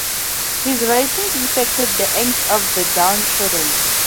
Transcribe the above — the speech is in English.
His writings reflected the angst of the down-trodden.